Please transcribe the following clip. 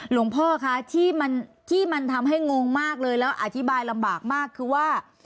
หลวงพ่อคะที่มันทำให้งงมากเลยแล้วอธิบายลำบากมากคือว่า